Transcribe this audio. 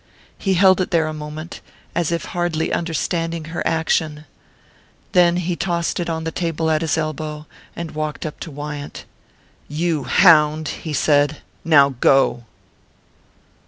He held it there a moment, as if hardly understanding her action then he tossed it on the table at his elbow, and walked up to Wyant. "You hound," he said "now go!"